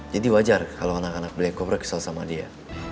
jadi wajar kalau anak anak black cobra kesal sama dia